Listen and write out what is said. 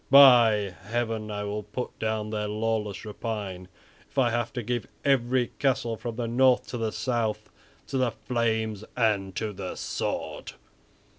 By heavens! I will put down their lawless rapine, if I have to give every castle from the north to the south to the flames and to the sword."